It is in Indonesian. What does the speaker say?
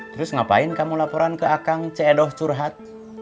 terus ngapain kamu laporan ke akang cedoh curhat